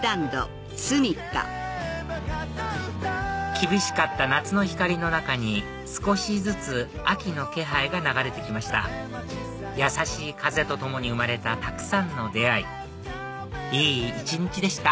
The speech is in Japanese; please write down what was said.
厳しかった夏の光の中に少しずつ秋の気配が流れて来ましたやさしい風とともに生まれたたくさんの出会いいい一日でした